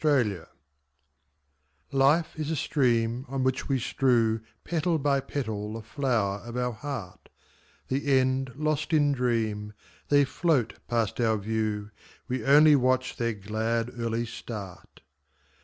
Petals Life is a stream On which we strew Petal by petal the flower of our heart; The end lost in dream, They float past our view, We only watch their glad, early start.